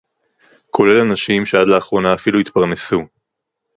כולל אנשים שעד לאחרונה אפילו התפרנסו